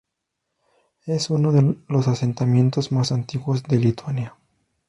Es uno de los asentamientos más antiguos de Lituania.